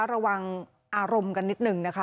ระวังอารมณ์กันนิดหนึ่งนะคะ